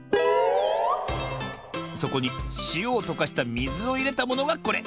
そこにしおをとかしたみずをいれたものがこれ。